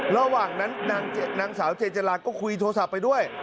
ระหว่างนั้นนางสาวเจนจราก็คุยโทรศัพท์ไปด้วย